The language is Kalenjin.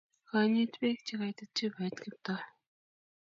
Koinyit pek che koitit chupoit Kiptoo